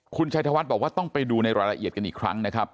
คุณชัยธวัฒน์บอกว่าต้องไปดูในรายละเอียดกันอีกครั้งนะครับ